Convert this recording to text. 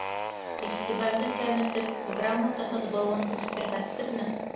Иғтибарҙы кәметеп, грамотаһыҙ быуын үҫтермәҫбеҙме?